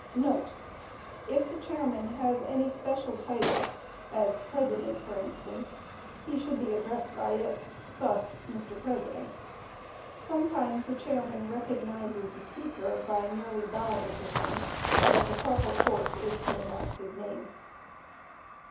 * [If the chairman has any special title, as President, for instance, he should be addressed by it, thus: "Mr. President." Sometimes the chairman recognizes the speaker by merely bowing to him, but the proper course is to announce his name.